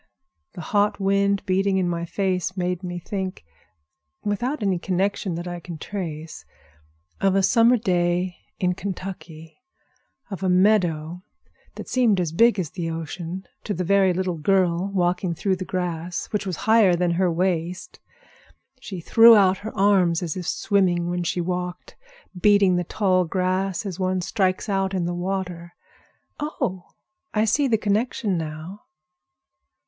The hot wind beating in my face made me think—without any connection that I can trace of a summer day in Kentucky, of a meadow that seemed as big as the ocean to the very little girl walking through the grass, which was higher than her waist. She threw out her arms as if swimming when she walked, beating the tall grass as one strikes out in the water. Oh, I see the connection now!"